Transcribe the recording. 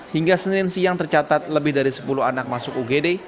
hingga senin siang tercatat lebih dari sepuluh anak masuk ugd